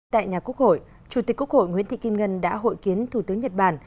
tại nhà quốc hội chủ tịch quốc hội nguyễn thị kim ngân đã hội kiến thủ tướng nhật bản